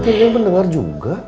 tidak ada yang mendengar juga